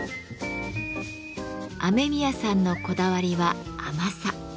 雨宮さんのこだわりは「甘さ」。